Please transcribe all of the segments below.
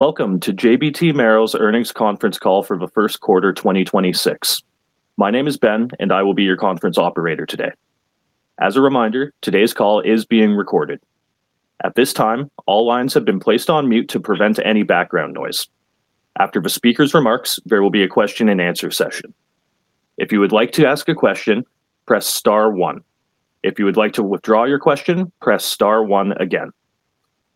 Welcome to JBT Marel's earnings conference call for the first quarter 2026. My name is Ben, and I will be your conference operator today. As a reminder, today's call is being recorded. At this time, all lines have been placed on mute to prevent any background noise. After the speaker's remarks, there will be a question-and-answer session. If you would like to ask a question, press star one. If you would like to withdraw your question, press star one again.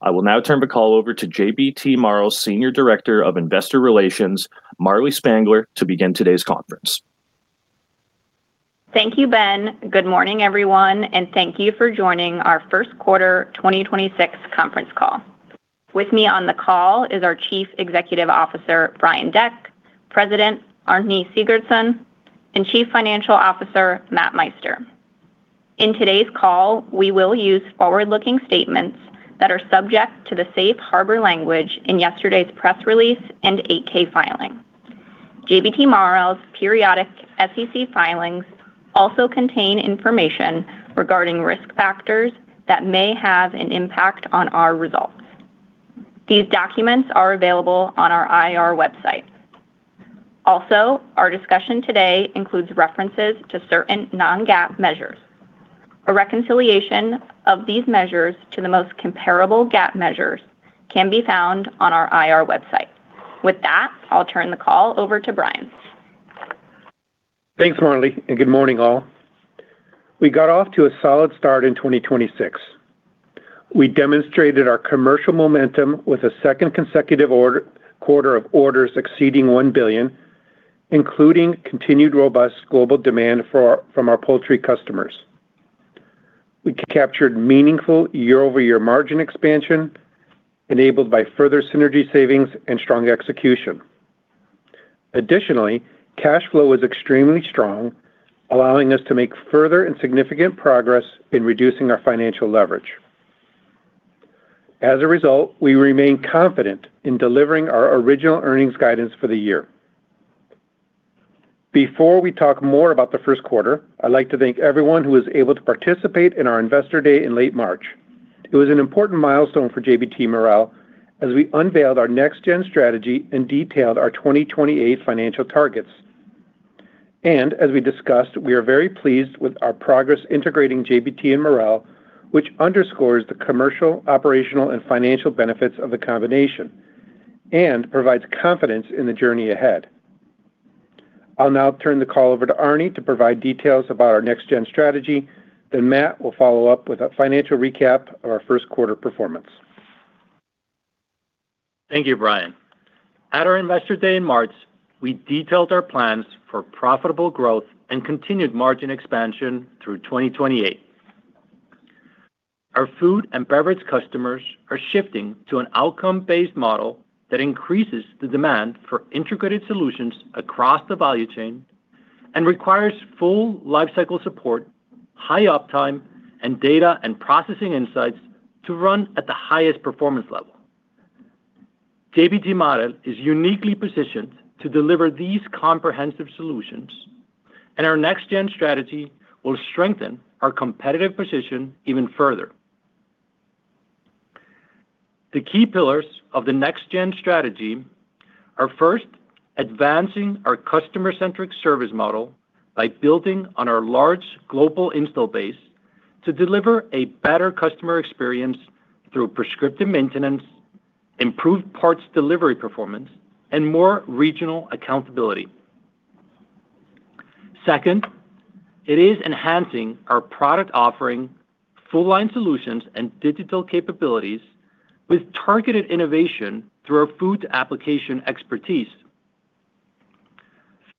I will now turn the call over to JBT Marel's Senior Director of Investor Relations, Marlee Spangler, to begin today's conference. Thank you, Ben. Good morning, everyone, and thank you for joining our first quarter 2026 conference call. With me on the call is our Chief Executive Officer, Brian Deck, President Arni Sigurdsson, and Chief Financial Officer, Matt Meister. In today's call, we will use forward-looking statements that are subject to the safe harbor language in yesterday's press release and 8-K filing. JBT Marel's periodic SEC filings also contain information regarding risk factors that may have an impact on our results. These documents are available on our IR website. Our discussion today includes references to certain non-GAAP measures. A reconciliation of these measures to the most comparable GAAP measures can be found on our IR website. With that, I'll turn the call over to Brian. Thanks, Marlee. Good morning, all. We got off to a solid start in 2026. We demonstrated our commercial momentum with a second consecutive quarter of orders exceeding $1 billion, including continued robust global demand from our poultry customers. We captured meaningful year-over-year margin expansion enabled by further synergy savings and strong execution. Additionally, cash flow was extremely strong, allowing us to make further and significant progress in reducing our financial leverage. As a result, we remain confident in delivering our original earnings guidance for the year. Before we talk more about the first quarter, I'd like to thank everyone who was able to participate in our Investor Day in late March. It was an important milestone for JBT Marel as we unveiled our next-gen strategy and detailed our 2028 financial targets. As we discussed, we are very pleased with our progress integrating JBT and Marel, which underscores the commercial, operational, and financial benefits of the combination and provides confidence in the journey ahead. I'll now turn the call over to Arni to provide details about our next-gen strategy. Matt will follow up with a financial recap of our first quarter performance. Thank you, Brian. At our Investor Day in March, we detailed our plans for profitable growth and continued margin expansion through 2028. Our food and beverage customers are shifting to an outcome-based model that increases the demand for integrated solutions across the value chain and requires full lifecycle support, high uptime, and data and processing insights to run at the highest performance level. JBT Marel is uniquely positioned to deliver these comprehensive solutions, and our next-gen strategy will strengthen our competitive position even further. The key pillars of the next-gen strategy are first, advancing our customer-centric service model by building on our large global install base to deliver a better customer experience through prescriptive maintenance, improved parts delivery performance, and more regional accountability. Second, it is enhancing our product offering, full line solutions, and digital capabilities with targeted innovation through our food application expertise.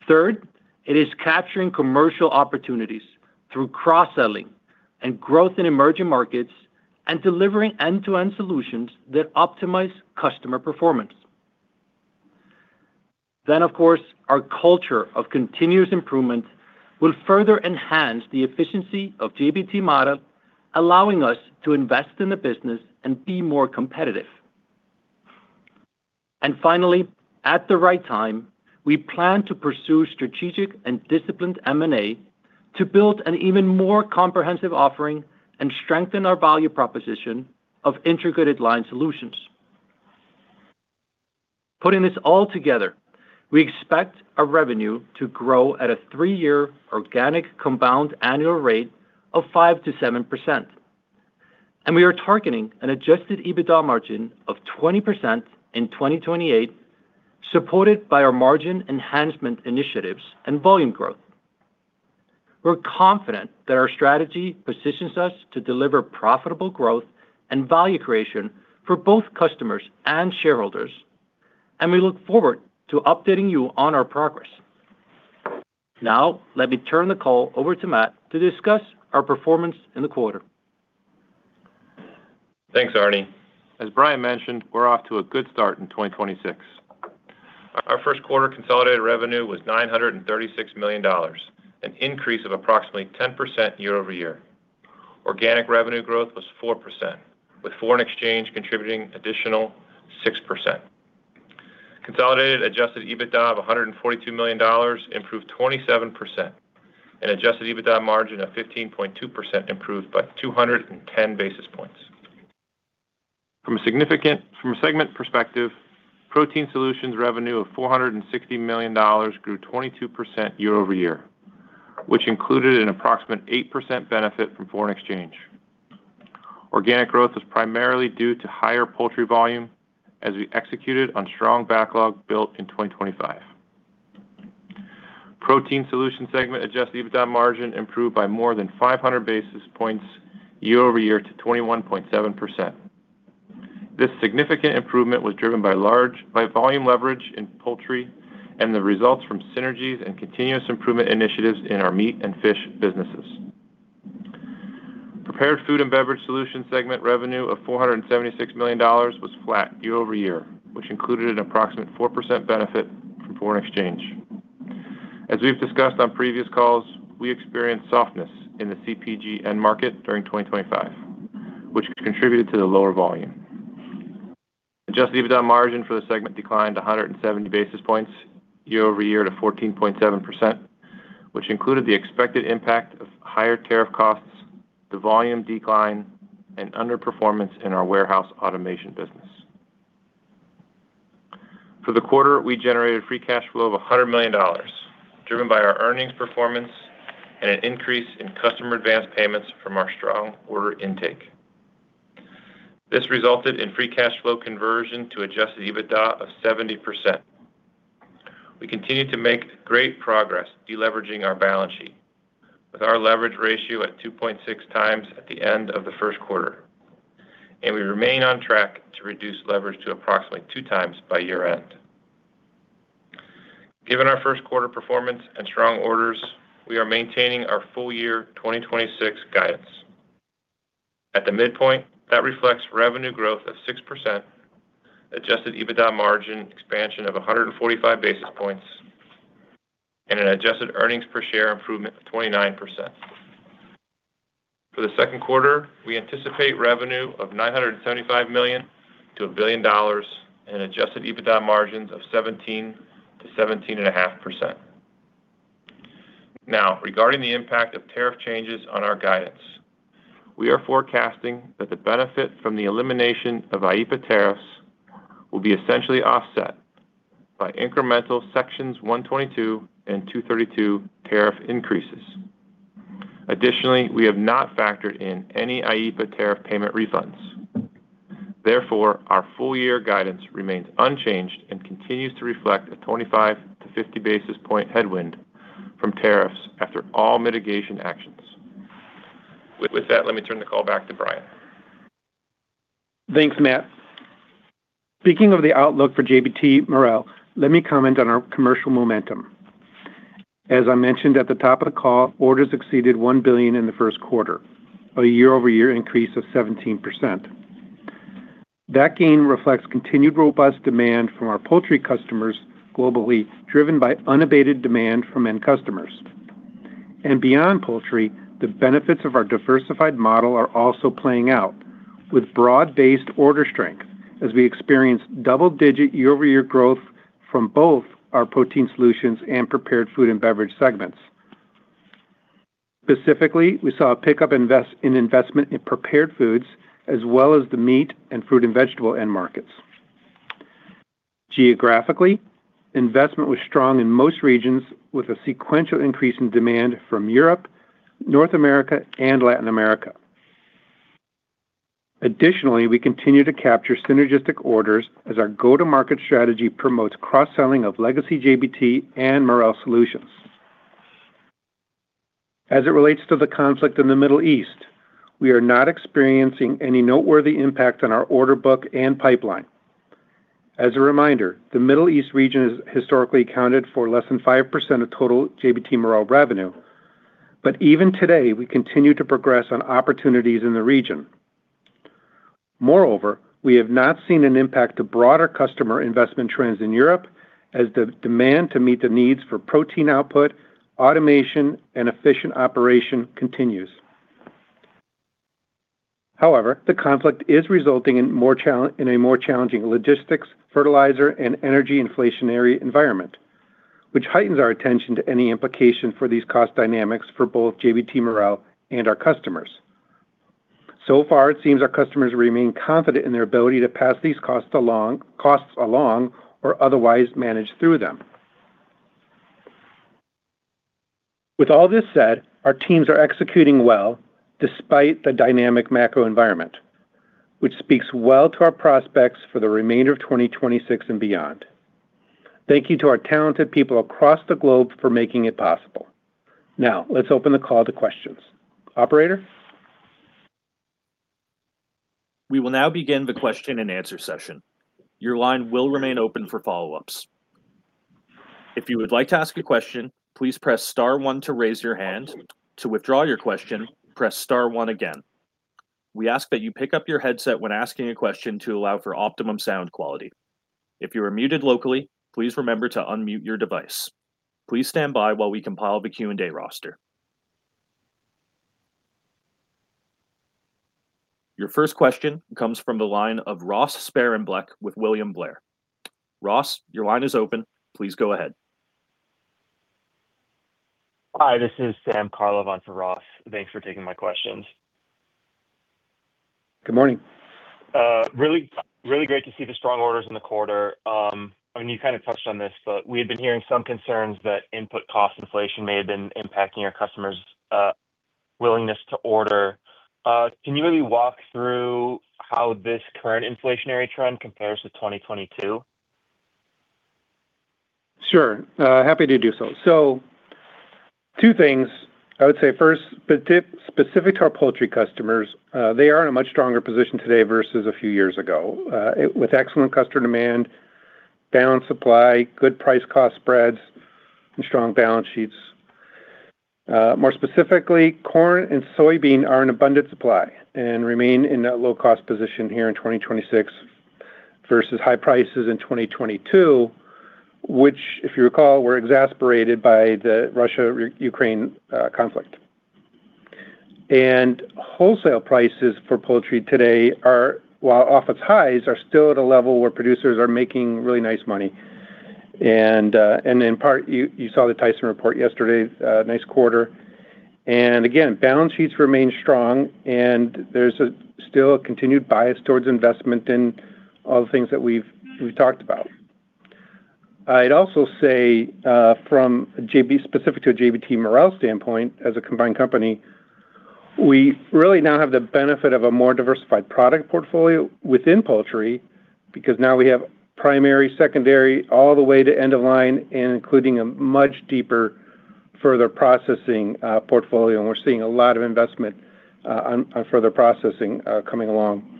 Third, it is capturing commercial opportunities through cross-selling and growth in emerging markets and delivering end-to-end solutions that optimize customer performance. Of course, our culture of continuous improvement will further enhance the efficiency of JBT Marel, allowing us to invest in the business and be more competitive. Finally, at the right time, we plan to pursue strategic and disciplined M&A to build an even more comprehensive offering and strengthen our value proposition of integrated line solutions. Putting this all together, we expect our revenue to grow at a three year organic compound annual rate of 5%-7%, and we are targeting an adjusted EBITDA margin of 20% in 2028, supported by our margin enhancement initiatives and volume growth. We're confident that our strategy positions us to deliver profitable growth and value creation for both customers and shareholders, and we look forward to updating you on our progress. Now, let me turn the call over to Matt to discuss our performance in the quarter. Thanks, Arni. As Brian mentioned, we're off to a good start in 2026. Our first quarter consolidated revenue was $936 million, an increase of approximately 10% year-over-year. Organic revenue growth was 4%, with foreign exchange contributing additional 6%. Consolidated adjusted EBITDA of $142 million improved 27%, and adjusted EBITDA margin of 15.2% improved by 210 basis points. From a segment perspective, Protein Solutions revenue of $460 million grew 22% year-over-year, which included an approximate 8% benefit from foreign exchange. Organic growth is primarily due to higher poultry volume as we executed on strong backlog built in 2025. Protein Solutions segment adjusted EBITDA margin improved by more than 500 basis points year-over-year to 21.7%. This significant improvement was driven by volume leverage in poultry and the results from synergies and continuous improvement initiatives in our Marel Meat and Fish businesses. Prepared Food and Beverage Solutions segment revenue of $476 million was flat year-over-year, which included an approximate 4% benefit from foreign exchange. As we've discussed on previous calls, we experienced softness in the CPG end market during 2025, which contributed to the lower volume. Adjusted EBITDA margin for the segment declined 170 basis points year-over-year to 14.7%, which included the expected impact of higher tariff costs, the volume decline, and underperformance in our Warehouse Automation business. For the quarter, we generated free cash flow of $100 million, driven by our earnings performance and an increase in customer advanced payments from our strong order intake. This resulted in free cash flow conversion to adjusted EBITDA of 70%. We continue to make great progress deleveraging our balance sheet with our leverage ratio at 2.6x at the end of the first quarter, and we remain on track to reduce leverage to approximately 2x by year-end. Given our first quarter performance and strong orders, we are maintaining our full year 2026 guidance. At the midpoint, that reflects revenue growth of 6%, adjusted EBITDA margin expansion of 145 basis points, and an adjusted earnings per share improvement of 29%. For the second quarter, we anticipate revenue of $975 million-$1 billion and adjusted EBITDA margins of 17%-17.5%. Now, regarding the impact of tariff changes on our guidance, we are forecasting that the benefit from the elimination of IEEPA tariffs will be essentially offset by incremental Section 122 and Section 232 tariff increases. Additionally, we have not factored in any IEEPA tariff payment refunds. Therefore, our full year guidance remains unchanged and continues to reflect a 25 basis point to 50 basis point headwind from tariffs after all mitigation actions. With that, let me turn the call back to Brian. Thanks, Matt. Speaking of the outlook for JBT Marel, let me comment on our commercial momentum. As I mentioned at the top of the call, orders exceeded $1 billion in the first quarter, a year-over-year increase of 17%. That gain reflects continued robust demand from our poultry customers globally, driven by unabated demand from end customers. Beyond poultry, the benefits of our diversified model are also playing out with broad-based order strength as we experience double-digit year-over-year growth from both our Protein Solutions and Prepared Food and Beverage segments. Specifically, we saw a pickup in investment in Prepared Foods as well as the meat and fruit and vegetable end markets. Geographically, investment was strong in most regions with a sequential increase in demand from Europe, North America, and Latin America. Additionally, we continue to capture synergistic orders as our go-to-market strategy promotes cross-selling of legacy JBT and Marel solutions. As it relates to the conflict in the Middle East, we are not experiencing any noteworthy impact on our order book and pipeline. As a reminder, the Middle East region has historically accounted for less than 5% of total JBT Marel revenue, even today, we continue to progress on opportunities in the region. Moreover, we have not seen an impact to broader customer investment trends in Europe as the demand to meet the needs for protein output, automation, and efficient operation continues. However, the conflict is resulting in a more challenging logistics, fertilizer, and energy inflationary environment, which heightens our attention to any implication for these cost dynamics for both JBT Marel and our customers. It seems our customers remain confident in their ability to pass these costs along or otherwise manage through them. Our teams are executing well despite the dynamic macro environment, which speaks well to our prospects for the remainder of 2026 and beyond. Thank you to our talented people across the globe for making it possible. Let's open the call to questions. Operator? We will now begin the question and answer session. Your line will remain open for follow-ups. If you would like to ask a question, please press star one to raise your hand. To withdraw your question, press star one again. We ask that you pick up your headset when asking a question to allow for optimum sound quality. If you are muted locally, please remember to unmute your device. Please stand by while we compile the Q&A roster. Your first question comes from the line of Ross Sparenblek with William Blair. Ross, your line is open. Please go ahead. Hi, this is Sam Carlo on for Ross. Thanks for taking my questions. Good morning. Really, really great to see the strong orders in the quarter. I mean, you kinda touched on this, but we had been hearing some concerns that input cost inflation may have been impacting your customers', willingness to order. Can you maybe walk through how this current inflationary trend compares to 2022? Sure. Happy to do so. Two things. I would say first, specific to our poultry customers, they are in a much stronger position today versus a few years ago, with excellent customer demand, balanced supply, good price cost spreads, and strong balance sheets. More specifically, corn and soybean are in abundant supply and remain in that low-cost position here in 2026 versus high prices in 2022, which, if you recall, were exacerbated by the Russia-Ukraine conflict. Wholesale prices for poultry today are, while off its highs, are still at a level where producers are making really nice money. In part, you saw the Tyson report yesterday, a nice quarter. Again, balance sheets remain strong, and there's still a continued bias towards investment in all the things that we've talked about. I'd also say, from specific to a JBT Marel standpoint, as a combined company, we really now have the benefit of a more diversified product portfolio within poultry, because now we have primary, secondary, all the way to end of line and including a much deeper further processing portfolio, and we're seeing a lot of investment on further processing coming along.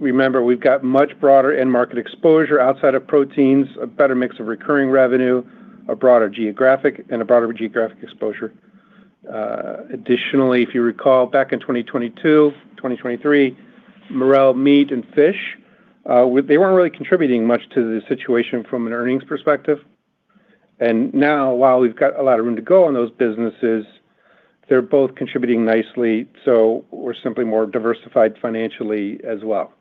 Remember, we've got much broader end market exposure outside of proteins, a better mix of recurring revenue, a broader geographic exposure. Additionally, if you recall back in 2022, 2023, Marel Meat and Fish, they weren't really contributing much to the situation from an earnings perspective. Now, while we've got a lot of room to go on those businesses, they're both contributing nicely, so we're simply more diversified financially as well.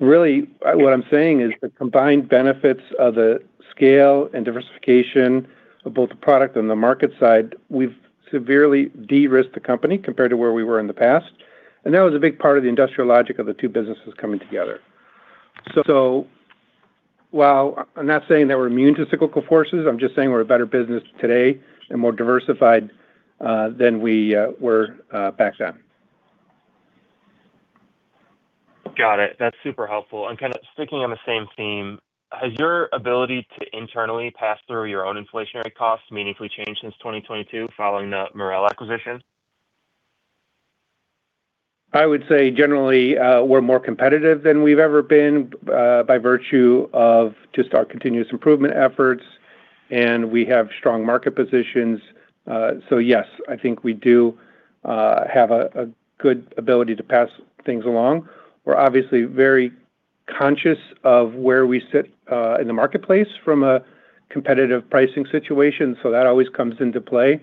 Really, what I'm saying is the combined benefits of the scale and diversification of both the product and the market side, we've severely de-risked the company compared to where we were in the past. That was a big part of the industrial logic of the two businesses coming together. While I'm not saying that we're immune to cyclical forces, I'm just saying we're a better business today and more diversified than we were back then. Got it. That's super helpful. Kind of sticking on the same theme, has your ability to internally pass through your own inflationary costs meaningfully changed since 2022 following the Marel acquisition? I would say generally, we're more competitive than we've ever been, by virtue of just our continuous improvement efforts, and we have strong market positions. Yes, I think we do, have a good ability to pass things along. We're obviously very conscious of where we sit, in the marketplace from a competitive pricing situation, so that always comes into play.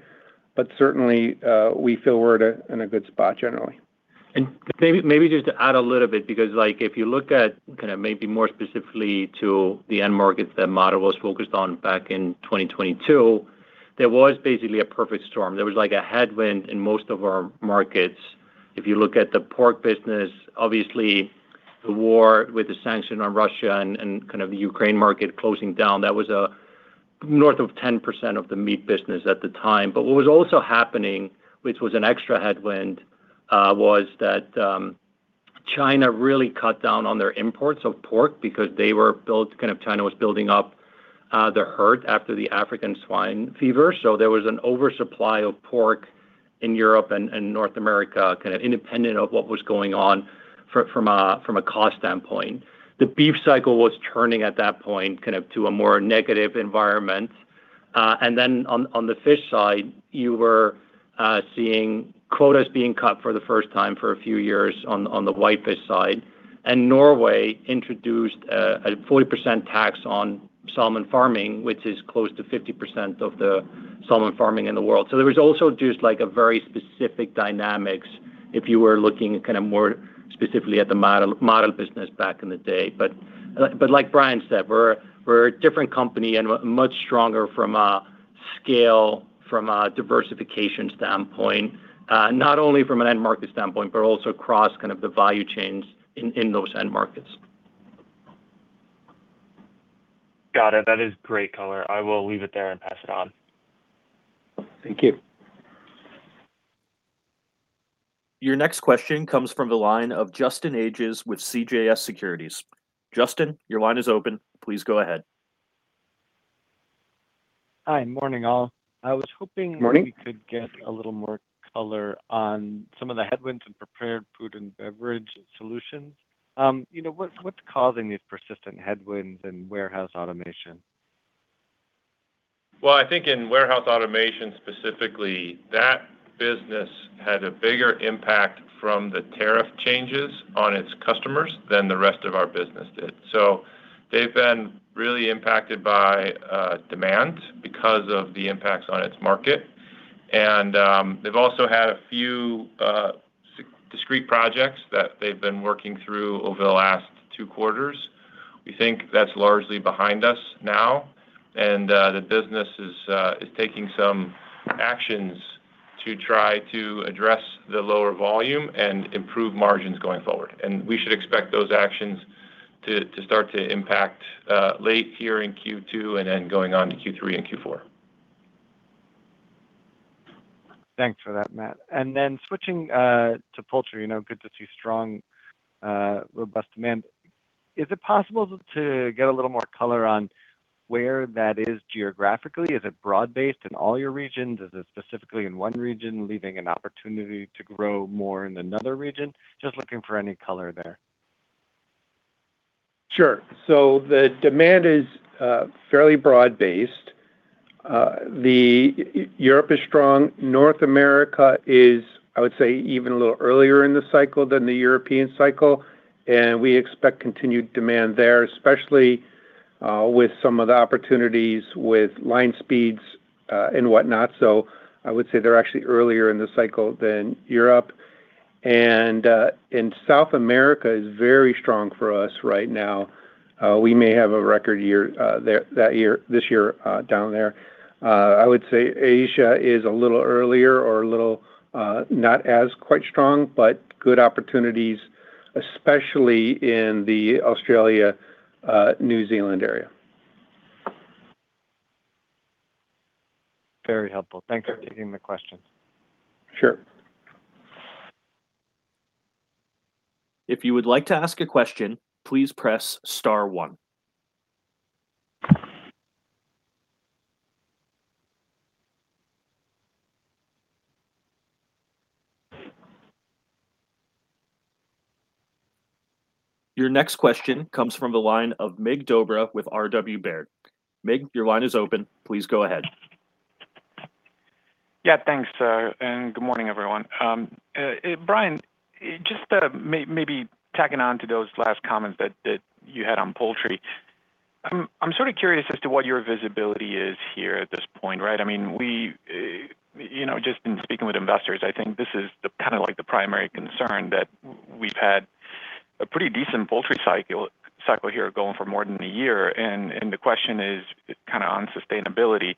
Certainly, we feel we're at a, in a good spot generally. Maybe just to add a little bit, because, if you look at kind of more specifically to the end markets that Marel was focused on back in 2022, there was basically a perfect storm. There was a headwind in most of our markets. If you look at the pork business, obviously the war with the sanction on Russia and kind of the Ukraine market closing down, that was north of 10% of the meat business at the time. What was also happening, which was an extra headwind, was that China really cut down on their imports of pork because kind of China was building up their herd after the African swine fever. There was an oversupply of pork in Europe and North America, kind of independent of what was going on from a, from a cost standpoint. The beef cycle was turning at that point, kind of to a more negative environment. On the fish side, you were seeing quotas being cut for the first time for a few years on the whitefish side. Norway introduced a 40% tax on salmon farming, which is close to 50% of the salmon farming in the world. There was also just, like, a very specific dynamics if you were looking kind of more specifically at the Marel business back in the day. Like Brian said, we're a different company and much stronger from a scale, from a diversification standpoint, not only from an end market standpoint, but also across kind of the value chains in those end markets. Got it. That is great color. I will leave it there and pass it on. Thank you. Your next question comes from the line of Justin Ages with CJS Securities. Justin, your line is open. Please go ahead. Hi, morning all. Morning I was hoping if I could get a little more color on some of the headwinds in Prepared Food and Beverage Solutions. you know, what's causing these persistent headwinds in Warehouse Automation? Well, I think in Warehouse Automation specifically, that business had a bigger impact from the tariff changes on its customers than the rest of our business did. They've been really impacted by demand because of the impacts on its market. They've also had a few discrete projects that they've been working through over the last two quarters. We think that's largely behind us now, and the business is taking some actions to try to address the lower volume and improve margins going forward. We should expect those actions to start to impact late here in Q2 and then going on to Q3 and Q4. Thanks for that, Matt. Switching to poultry, you know, good to see strong, robust demand. Is it possible to get a little more color on where that is geographically? Is it broad-based in all your regions? Is it specifically in one region, leaving an opportunity to grow more in another region? Just looking for any color there. Sure. The demand is fairly broad-based. Europe is strong. North America is, I would say, even a little earlier in the cycle than the European cycle, and we expect continued demand there, especially with some of the opportunities with line speeds and whatnot. I would say they're actually earlier in the cycle than Europe. South America is very strong for us right now. We may have a record year this year down there. I would say Asia is a little earlier or a little not as quite strong, but good opportunities, especially in the Australia, New Zealand area. Very helpful. Thanks for taking the question. Sure. If you would like to ask a question, please press star one. Your next question comes from the line of Mircea Dobre with R.W. Baird. Mircea, your line is open. Please go ahead. Yeah, thanks, and good morning, everyone. Brian, just maybe tagging on to those last comments that you had on poultry, I'm sort of curious as to what your visibility is here at this point, right? I mean, we, you know, just in speaking with investors, I think this is kinda like the primary concern that we've had a pretty decent poultry cycle here going for more than a year. The question is kinda on sustainability.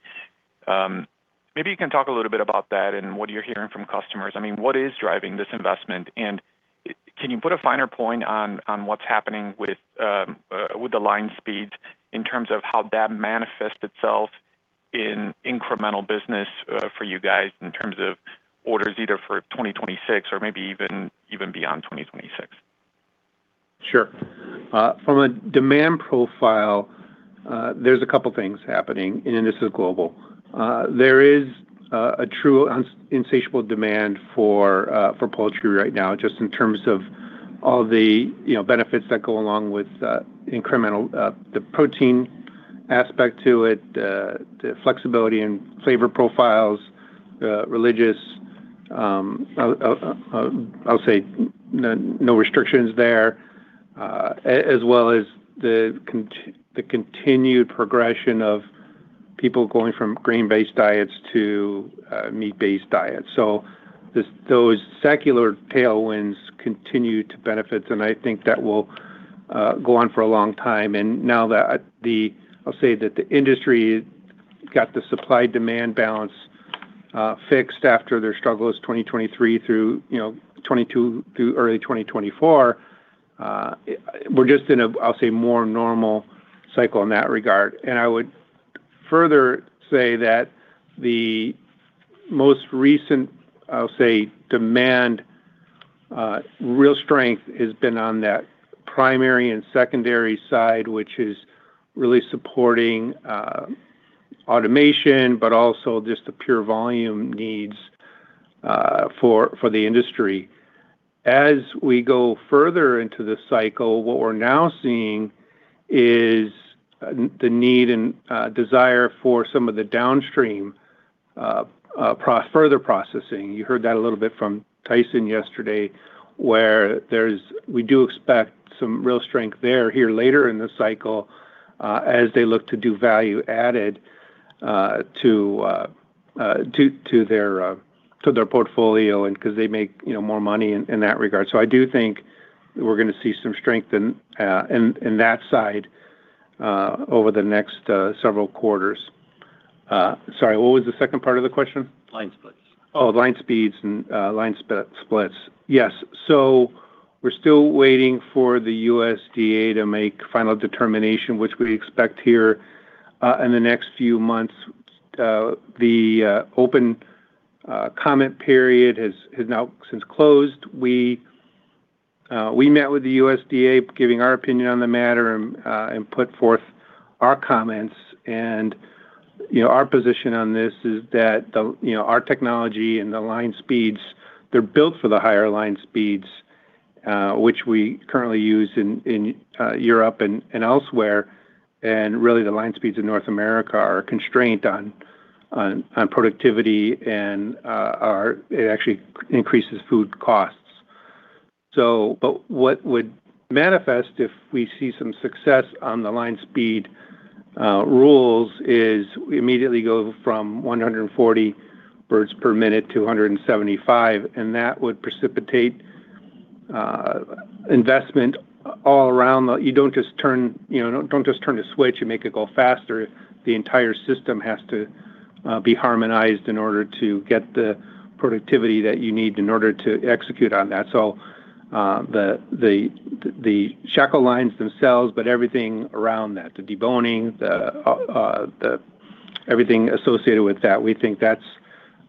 Maybe you can talk a little bit about that and what you're hearing from customers. I mean, what is driving this investment? Can you put a finer point on what's happening with the line speeds in terms of how that manifests itself in incremental business for you guys in terms of orders either for 2026 or maybe even beyond 2026? Sure. From a demand profile, there's a couple things happening. This is global. There is a true insatiable demand for poultry right now, just in terms of all the, you know, benefits that go along with incremental, the protein aspect to it, the flexibility and flavor profiles, religious, I'll say no restrictions there, as well as the continued progression of people going from green-based diets to meat-based diets. Those secular tailwinds continue to benefit, and I think that will go on for a long time. Now that I'll say that the industry got the supply-demand balance fixed after their struggles 2023 through, you know, 2022 through early 2024, we're just in a, I'll say, more normal cycle in that regard. I would further say that the most recent, I'll say, demand, real strength has been on that primary and secondary side, which is really supporting automation, but also just the pure volume needs for the industry. As we go further into this cycle, what we're now seeing is the need and desire for some of the downstream further processing. You heard that a little bit from Tyson yesterday, where we do expect some real strength there here later in the cycle, as they look to do value added to their portfolio and 'cause they make, you know, more money in that regard. I do think we're gonna see some strength in that side over the next several quarters. Sorry, what was the second part of the question? Line splits. Oh, line speeds and splits. Yes. We're still waiting for the USDA to make final determination, which we expect here in the next few months. The open comment period has now since closed. We met with the USDA, giving our opinion on the matter and put forth our comments. You know, our position on this is that the, you know, our technology and the line speeds, they're built for the higher line speeds, which we currently use in Europe and elsewhere. Really, the line speeds in North America are a constraint on productivity and it actually increases food costs. But what would manifest if we see some success on the line speed rules is we immediately go from 140 birds per minute-175 birds per minute, and that would precipitate investment all around. You don't just turn, you know, don't just turn a switch and make it go faster. The entire system has to be harmonized in order to get the productivity that you need in order to execute on that. The shackle lines themselves, but everything around that, the deboning, everything associated with that, we think that's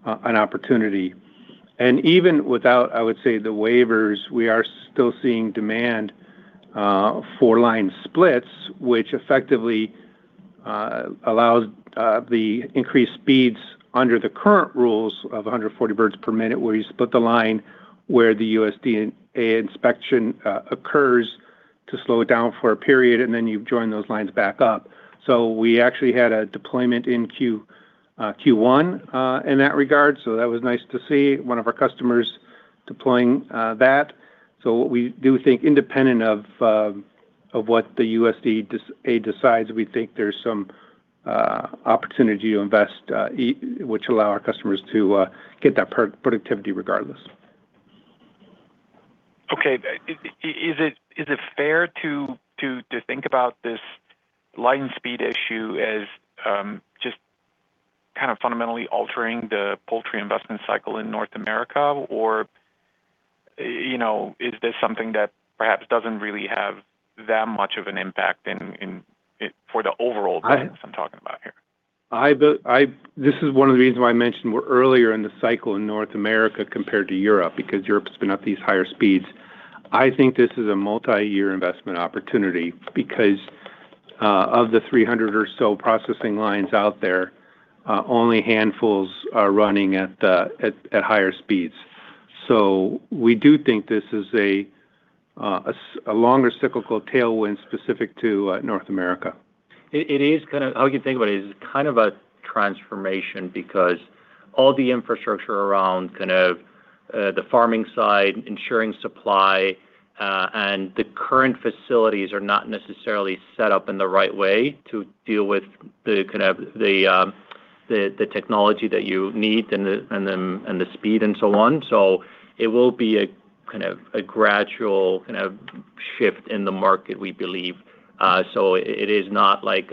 an opportunity. Even without, I would say, the waivers, we are still seeing demand for line splits, which effectively allows the increased speeds under the current rules of 140 birds per minute, where you split the line where the USDA inspection occurs to slow it down for a period, and then you join those lines back up. We actually had a deployment in Q1 in that regard. That was nice to see one of our customers deploying that. We do think independent of what the USDA decides, we think there's some opportunity to invest, which allow our customers to get that productivity regardless. Okay. Is it fair to think about this line speed issue as just kind of fundamentally altering the poultry investment cycle in North America? You know, is this something that perhaps doesn't really have that much of an impact for the overall guidance I'm talking about here? This is one of the reasons why I mentioned we're earlier in the cycle in North America compared to Europe, because Europe's been at these higher speeds. I think this is a multi-year investment opportunity because of the 300 or so processing lines out there, only handfuls are running at higher speeds. We do think this is a longer cyclical tailwind specific to North America. It is kind of, how you think about it, is kind of a transformation because all the infrastructure around kind of the farming side, ensuring supply, and the current facilities are not necessarily set up in the right way to deal with the kind of the technology that you need and the speed and so on. It will be a kind of a gradual kind of shift in the market, we believe. It is not like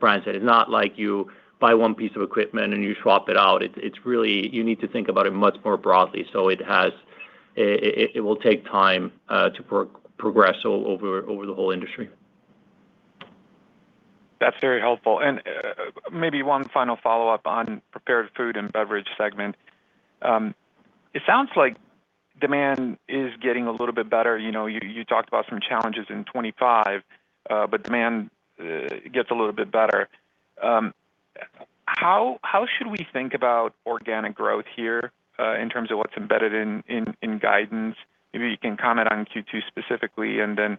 Brian said, it's not like you buy one piece of equipment and you swap it out. It's really, you need to think about it much more broadly. It has, it will take time to progress over the whole industry. That's very helpful. Maybe one final follow-up on Prepared Food and Beverage segment. It sounds like demand is getting a little bit better. You know, you talked about some challenges in 2025, but demand gets a little bit better. How should we think about organic growth here in terms of what's embedded in guidance? Maybe you can comment on Q2 specifically and then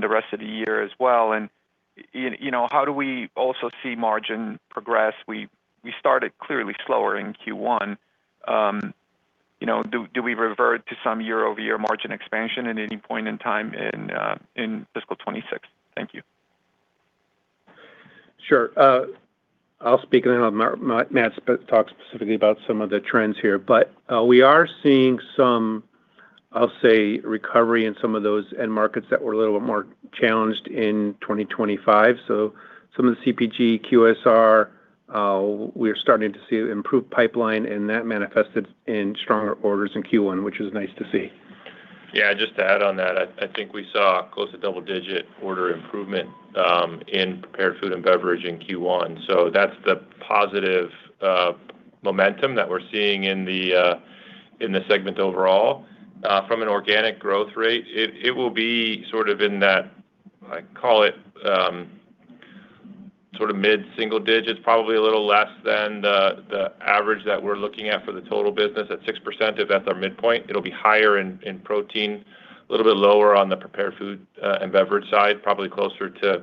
the rest of the year as well. You know, how do we also see margin progress? We started clearly slower in Q1. You know, do we revert to some year-over-year margin expansion at any point in time in fiscal 2026? Thank you. Sure. I'll speak and then Matt's talk specifically about some of the trends here. We are seeing some, I'll say, recovery in some of those end markets that were a little bit more challenged in 2025. Some of the CPG, QSR, we're starting to see improved pipeline and that manifested in stronger orders in Q1, which is nice to see. Yeah, just to add on that, I think we saw close to double-digit order improvement in Prepared Food and Beverage Solutions in Q1. That's the positive momentum that we're seeing in the segment overall. From an organic growth rate, it will be sort of in that, I call it sort of mid-single digits, probably a little less than the average that we're looking at for the total business at 6%. If that's our midpoint, it'll be higher in Protein Solutions, a little bit lower on the Prepared Food and Beverage Solutions side, probably closer to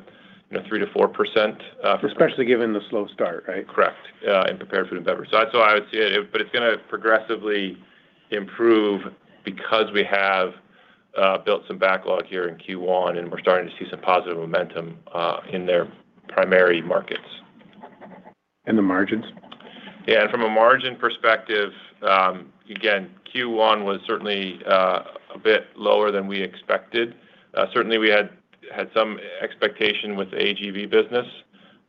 3%-4%. Especially given the slow start, right? Correct, in prepared food and beverage. That's how I would see it. It's going to progressively improve because we have built some backlog here in Q1 and we're starting to see some positive momentum in their primary markets. The margins? Yeah, from a margin perspective, again, Q1 was certainly a bit lower than we expected. Certainly we had some expectation with the AGV business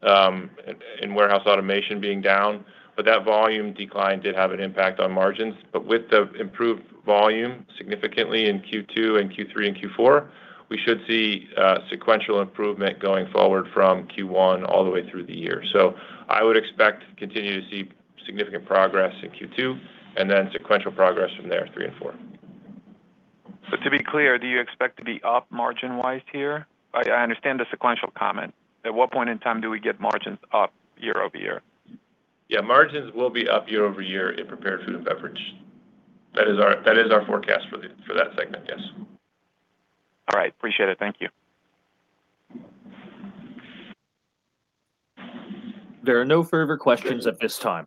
and warehouse automation being down, that volume decline did have an impact on margins. With the improved volume significantly in Q2 and Q3 and Q4, we should see sequential improvement going forward from Q1 all the way through the year. I would expect to continue to see significant progress in Q2 and then sequential progress from there, Q3 and Q4. To be clear, do you expect to be up margin-wise here? I understand the sequential comment. At what point in time do we get margins up year-over-year? Yeah, margins will be up year-over-year in Prepared Food and Beverage. That is our forecast for that segment, yes. All right. Appreciate it. Thank you. There are no further questions at this time.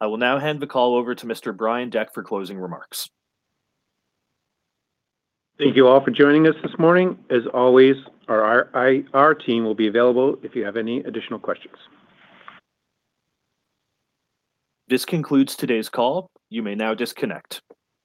I will now hand the call over to Mr. Brian Deck for closing remarks. Thank you all for joining us this morning. As always, our IR team will be available if you have any additional questions. This concludes today's call. You may now disconnect.